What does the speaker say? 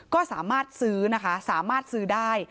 ก็สามารถซื้อนะคะสามารถซื้อได้